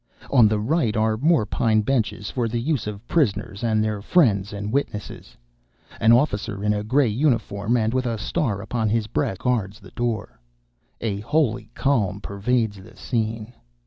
On the right are more pine benches, for the use of prisoners, and their friends and witnesses. An officer, in a gray uniform, and with a star upon his breast, guards the door. A holy calm pervades the scene.